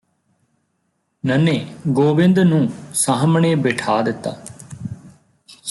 ਨੰਨ੍ਹੇ ਗੋਬਿੰਦ ਨੂੰ ਸਾਹਮਣੇ ਬਿਠਾ ਦਿੱਤਾ